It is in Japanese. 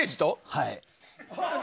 はい。